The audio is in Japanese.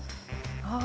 ああ！